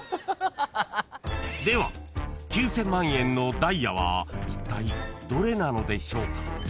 ［では９，０００万円のダイヤはいったいどれなのでしょうか？］